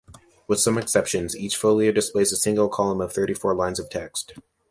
With some exceptions, each folio displays a single column of thirty-four lines of text.